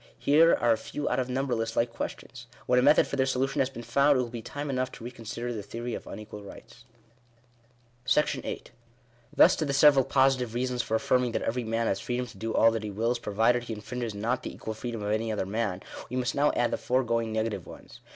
Here are a few out of numberless like questions. When a method for their solution has been found, it will be time enough to reconsider the theory of un equal rights. §8. Thus to the several positive reasons for affirming that every man has freedom to do all that he wills, provided he infringes Digitized by VjOOQIC FIRST PRINCIPLE. 109 not the equal freedom of any other man, we must now add the foregoing negative ones.